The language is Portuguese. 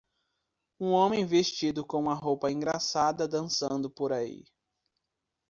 Um homem vestido com uma roupa engraçada dançando por aí.